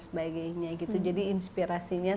sebagainya gitu jadi inspirasinya